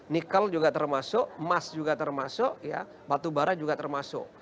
nikel juga termasuk emas juga termasuk batu bara juga termasuk